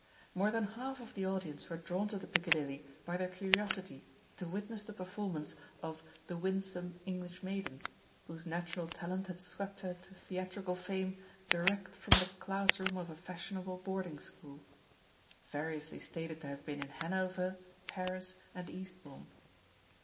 More than half of the audience were drawn to the Piccadilly by their curiosity to witness the performance of "the winsome English maiden" whose natural talent had swept her to theatrical fame direct from the ''class room of a fashionable boarding school" — variously stated to have been in Hanover, Paris, and Eastbomne.